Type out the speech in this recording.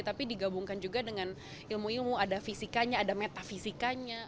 tapi digabungkan juga dengan ilmu ilmu ada fisikanya ada metafisikanya